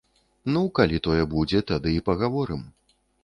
Ну, калі тое будзе, тады і пагаворым.